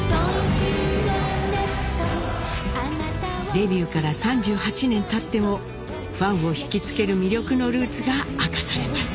デビューから３８年たってもファンを引き付ける魅力のルーツが明かされます。